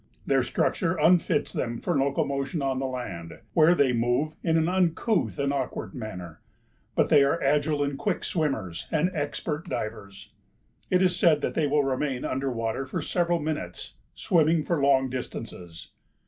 Their structure unfits them for locomotion on the land where they move in an uncouth and awkward manner, but they are agile and quick swimmers and expert divers. It is said that they will remain under water for several minutes, swimming for long distances.